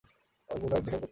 Albuquerque দেখুন Portuguese.